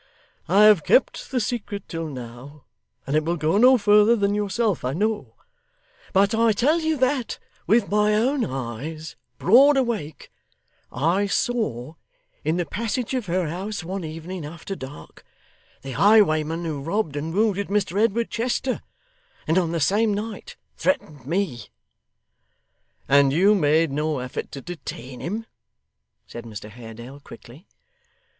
I have kept the secret till now, and it will go no further than yourself, I know; but I tell you that with my own eyes broad awake I saw, in the passage of her house one evening after dark, the highwayman who robbed and wounded Mr Edward Chester, and on the same night threatened me.' 'And you made no effort to detain him?' said Mr Haredale quickly.